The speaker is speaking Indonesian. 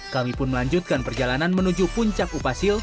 kami pun melanjutkan perjalanan menuju puncak upas hill